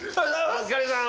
お疲れさん。